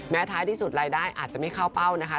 ท้ายที่สุดรายได้อาจจะไม่เข้าเป้านะคะ